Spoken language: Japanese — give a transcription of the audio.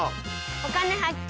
「お金発見」。